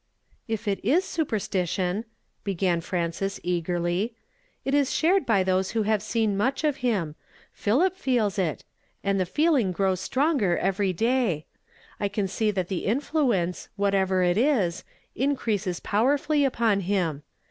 *'If it is supei stition," began Frances ea^.^rly, "it is shared by those who have seen much of him. Philip feels it; and the feeling grows stronger every day. I can see that the influence, whatever it is, increases powerfully upon him.